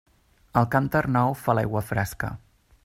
El cànter nou fa l'aigua fresca.